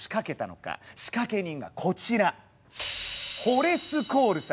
仕掛け人がこちら。